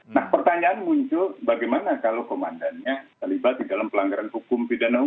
nah pertanyaan muncul bagaimana kalau komandannya terlibat di dalam pelanggaran hukum pidana umum